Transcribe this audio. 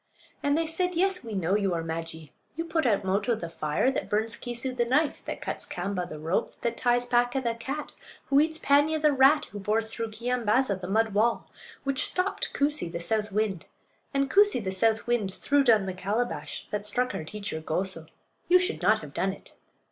And they said: "Yes, we know you are Maajee; you put out Moto, the fire; that burns Keesoo, the knife; that cuts Kaamba, the rope; that ties Paaka, the cat; who eats Paanya, the rat; who bores through Keeyambaaza, the mud wall; which stopped Koosee, the south wind; and Koosee, the south wind, threw down the calabash that struck our teacher Goso. You should not have done it."